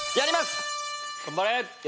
頑張れ！